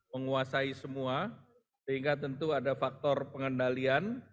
menguasai semua sehingga tentu ada faktor pengendalian